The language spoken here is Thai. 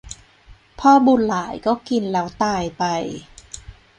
พ่อบุญหลายก็กินแล้วตายไป